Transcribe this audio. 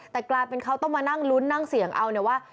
แต่กลายเป็นเขาต้องมานั่งลุ้นนั่งเสี่ยงเอาเนี่ยว่า